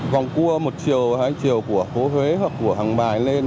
còn cua một chiều hai chiều của hồ huế hoặc của hàng bài lên